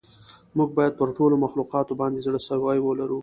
موږ باید پر ټولو مخلوقاتو باندې زړه سوی ولرو.